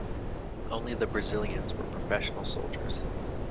Only the Brazilians were professional soldiers.